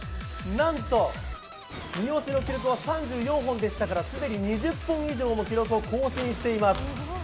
なんと、三好の記録は３４本でしたから、すでに２０本以上も記録を更新しています。